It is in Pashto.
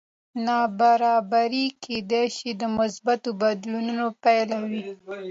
نابرابري کېدی شي د مثبتو بدلونونو پایله وي